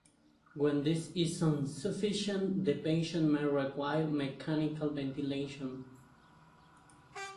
When this is insufficient, the patient might require mechanical ventilation.